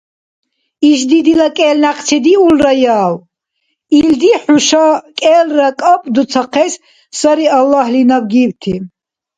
Ишди дила кӀел някъ чедиулраяв? Илди хӀуша кӀелра кӀапӀдурцахъес сари Аллагьли наб гибти.